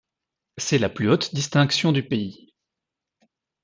C’est la plus haute distinction du pays.